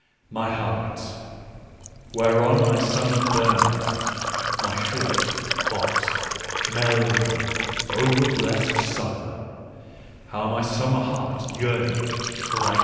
" My heart, whereon my summer burnetii, my short, hot, melancholy, over blessed summer : how my summer heart yearneth for thy coolness